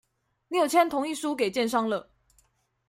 你有簽同意書給建商了